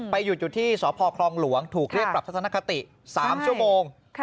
หยุดอยู่ที่สพคลองหลวงถูกเรียกปรับทัศนคติ๓ชั่วโมง